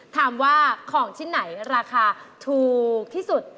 ถามว่าของชิ้นไหนราคาถูกที่สุด